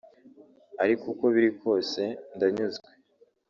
ariko uko biri kose ndanyuzwe